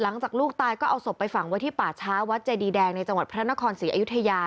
ในฝั่งวัดที่ป่าช้าวัดเจดีแดงในจังหวัดพระนครศรีอยุธยา